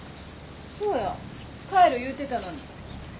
そうや帰る言うてたのに。